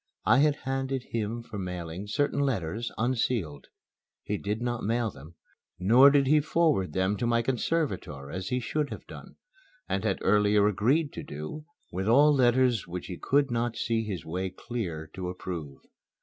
I had handed him for mailing certain letters, unsealed. He did not mail them, nor did he forward them to my conservator as he should have done, and had earlier agreed to do with all letters which he could not see his way clear to approve.